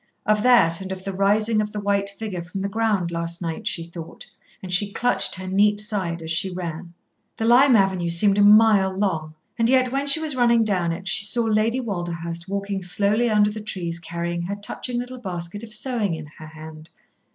Of that, and of the rising of the white figure from the ground last night she thought, and she clutched her neat side as she ran. The Lime Avenue seemed a mile long, and yet when she was running down it she saw Lady Walderhurst walking slowly under the trees carrying her touching little basket of sewing in her hand.